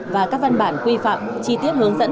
và các văn bản quy phạm chi tiết hướng dẫn